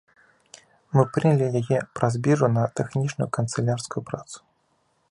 Мы прынялі яе праз біржу на тэхнічную канцылярскую працу.